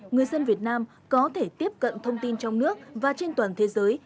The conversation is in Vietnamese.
người dân việt nam có thể tiếp cận thông tin trong nước và trên toàn thế giới